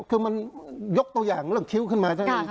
คือมันยกตัวอย่างเรื่องคิ้วขึ้นมาใช่ไหม